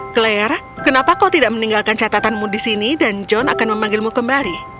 claire kenapa kau tidak meninggalkan catatanmu di sini dan john akan memanggilmu kembali